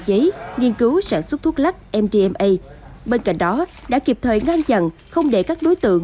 cháy nghiên cứu sản xuất thuốc lắc mdma bên cạnh đó đã kịp thời ngang dặn không để các đối tượng